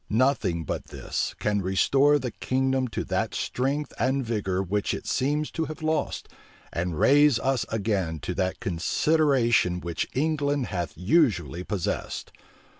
Nothing but this can restore the kingdom to that strength and vigor which it seems to have lost, and raise us again to that consideration which England hath usually possessed.